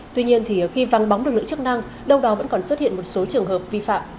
tuy nhiên khi vắng bóng lực lượng chức năng đâu đó vẫn còn xuất hiện một số trường hợp vi phạm